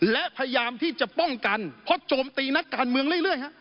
และพยายามที่จะป้องกันเพราะโจมตีนักการเมืองเรื่อยฮะ